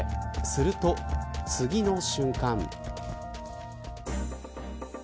すると、次の瞬間。